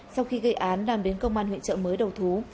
sau khi gây án đàm đến công an huyện trợ mới đầu thú